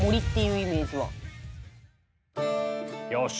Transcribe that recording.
よし。